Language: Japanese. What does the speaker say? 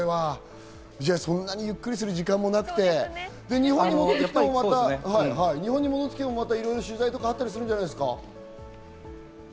そんなにゆっくりする時間もなくて、日本に戻ってきても、またいろいろ取材とかあったりするんじゃないですか？